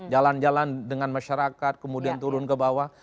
jalan jalan dengan masyarakat kemudian turun ke bawah